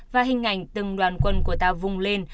và hình ảnh từng đoàn quân của ta vùng lên